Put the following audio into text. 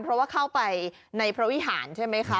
เพราะว่าเข้าไปในพระวิหารใช่ไหมคะ